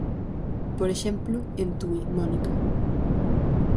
Por exemplo, en Tui, Mónica.